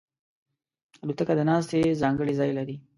الوتکه د ناستې ځانګړی ځای لري.